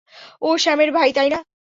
ও স্যামের ভাই, তাই না?